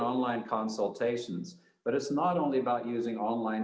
yang lebih dari satu juta konsultasi online